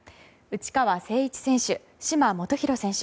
内川聖一選手、嶋基宏選手。